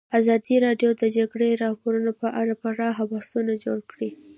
ازادي راډیو د د جګړې راپورونه په اړه پراخ بحثونه جوړ کړي.